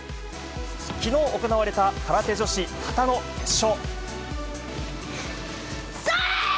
きのう行われた空手女子形の決勝。